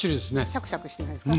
シャクシャクしてないですか？